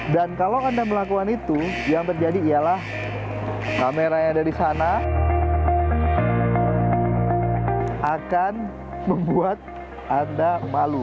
dan kalau anda melakukan itu yang terjadi ialah kameranya dari sana akan membuat anda malu